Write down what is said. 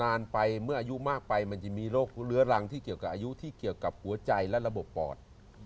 อายุเมื่ออายุมากไปจะมีโรครังที่เกี่ยวกับกลัวใจและระบบปอด